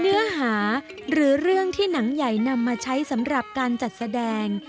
เนื้อหาหรือเรื่องที่หนังใหญ่นำมาใช้สำหรับการจัดแสดง